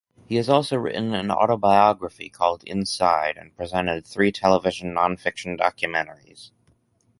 He has also written an autobiography called 'Inside' and presented three television non-fiction documentaries.